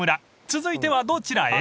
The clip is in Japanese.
［続いてはどちらへ？］